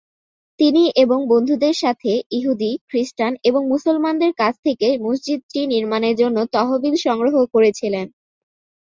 তিনি এবং বন্ধুদের সাথে, ইহুদি, খ্রিস্টান এবং মুসলমানদের কাছ থেকে মসজিদটি নির্মাণের জন্য তহবিল সংগ্রহ করেছিলেন।